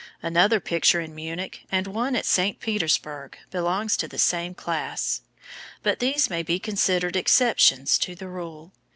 Another picture in Munich, and one at St. Petersburg, belong to the same class; but these may be considered exceptions to the rule.